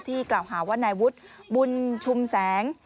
กล่าวหาว่านายวุฒิบุญชุมแสง